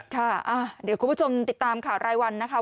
ค่ะเดี๋ยวคุณผู้ชมติดตามข่าวรายวันนะคะ